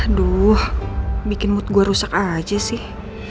aduh bikin mood gue rusak aja sih